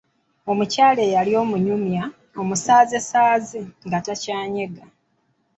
Omukyala eyali omunyumya, omusaazesaaze, nga takyanyega.